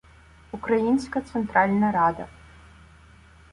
Українська Центральна Рада.